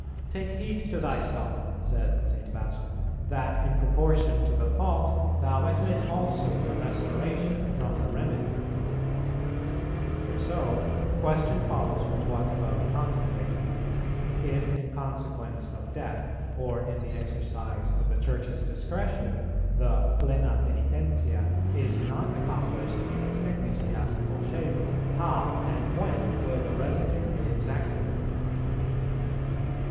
"Take heed to thyself," says St. Basil, "that, in proportion to the fault, thou admit also the restoration from the remedy."[387:2] If so, the question follows which was above contemplated, if in consequence of death, or in the exercise of the Church's discretion, the "plena pœnitentia" is not accomplished in its ecclesiastical shape, how and when will the residue be exacted?